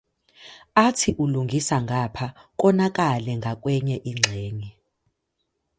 Athi ulungisa ngapha konakale ngakwenye ingxenye.